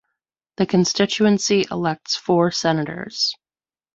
The constituency elects four senators.